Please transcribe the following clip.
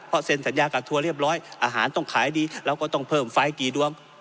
เพราะเซ็นสัญญากับทัวร์เรียบร้อยอาหารต้องขายดีเราก็ต้องเพิ่มไฟล์กี่ดวง